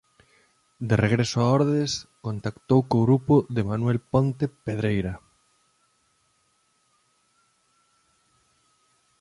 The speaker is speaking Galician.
De regreso a Ordes contactou co grupo de Manuel Ponte Pedreira.